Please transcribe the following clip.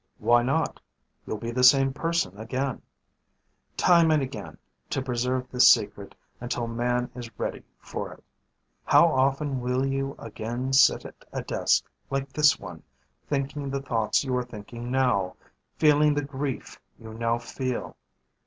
Why not? You'll be the same person again. Time and again, to preserve this secret until Man is ready for it. How often will you again sit at a desk like this one, thinking the thoughts you are thinking now, feeling the grief you now feel?